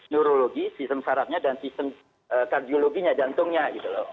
neurologi sistem syaratnya dan sistem kardiologinya jantungnya gitu loh